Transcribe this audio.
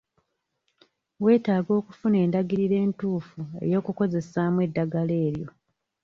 Weetaaga okufuna endagiriro entuufu ey'okukozesaamu eddagala eryo.